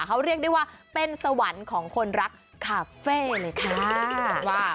เขาเรียกได้ว่าเป็นสวรรค์ของคนรักคาเฟ่เลยค่ะ